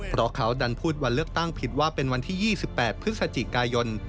เพราะเขาดันพูดวันเลือกตั้งผิดว่าเป็นวันที่๒๘พฤศจิกายน